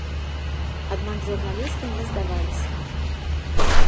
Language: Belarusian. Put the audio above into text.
Аднак журналісты не здаваліся.